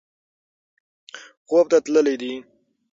خوب تللی دی.